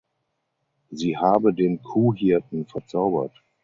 Sie habe den Kuhhirten verzaubert.